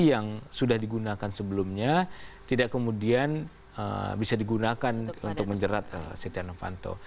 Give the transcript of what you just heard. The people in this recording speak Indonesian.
yang sudah digunakan sebelumnya tidak kemudian bisa digunakan untuk menjerat setia novanto